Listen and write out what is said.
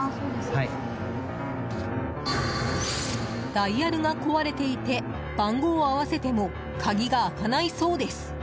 ダイヤルが壊れていて番号を合わせても鍵が開かないそうです。